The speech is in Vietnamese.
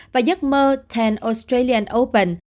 và giấc mơ một mươi australian open